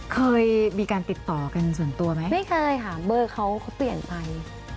เคยมีการติดต่อกันส่วนตัวไหมไม่เคยค่ะเบอร์เขาเขาเปลี่ยนไป